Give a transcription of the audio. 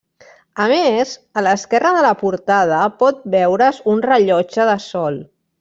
A més, a l'esquerra de la portada pot veure's un rellotge de sol.